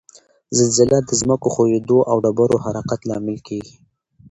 زلزله د ځمک ښویدو او ډبرو حرکت لامل کیږي